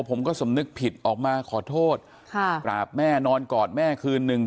ผมก็สำนึกผิดออกมาขอโทษค่ะกราบแม่นอนกอดแม่คืนนึง